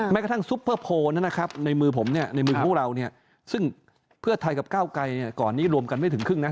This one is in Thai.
กระทั่งซุปเปอร์โพลนะครับในมือผมเนี่ยในมือของเราซึ่งเพื่อไทยกับก้าวไกรก่อนนี้รวมกันไม่ถึงครึ่งนะ